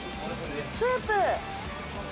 スープ。